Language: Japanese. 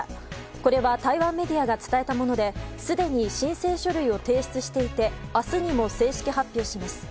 これは台湾メディアが伝えたものですでに申請書類を提出していて明日にも正式発表します。